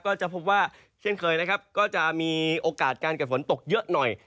ก็จะพบว่าเช่นเคยนะครับก็จะมีโอกาสการเกิดฝนตกเยอะหน่อย